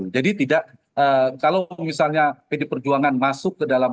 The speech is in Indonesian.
jadi tidak kalau misalnya pd perjuangan masuk ke dalam